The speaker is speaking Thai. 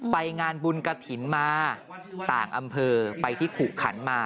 ไปงานบุญกระถิ่นมาต่างอำเภอไปที่ขุขันมา